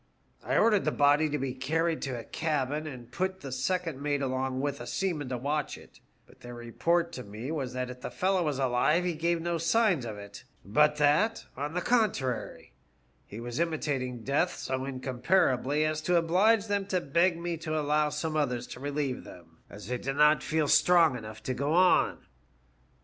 I ordered the body to be carried to a cabin, and put the second mate along with a seaman to watch it ; but their report to me was that if the fellow was alive he gave no signs of it, but that, on the contrary, he was imitating death so incomparably as to oblige them to beg me to allow some others to relieve them, as they did not feel strong enough to go on.